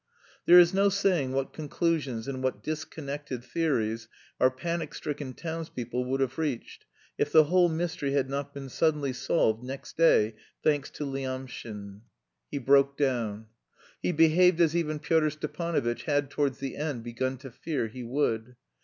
There is no saying what conclusions and what disconnected theories our panic stricken townspeople would have reached, if the whole mystery had not been suddenly solved next day, thanks to Lyamshin. He broke down. He behaved as even Pyotr Stepanovitch had towards the end begun to fear he would.